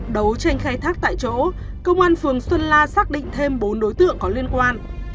đấu tranh khai thác tại chỗ công an phường xuân la xác định thêm bốn đối tượng có liên quan